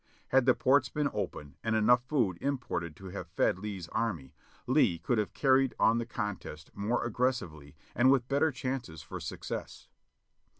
Had the ports been open and enough food imported to have fed Lee's Army, Lee could have carried on the contest more aggressively and with better chances for success.